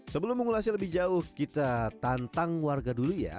sebelum mengulasnya lebih jauh kita tantang warga dulu ya